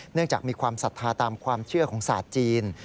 จากมีความศรัทธาตามความเชื่อของศาสตร์จีน